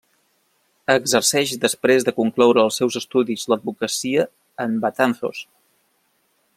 Exerceix després de concloure els seus estudis l'advocacia en Betanzos.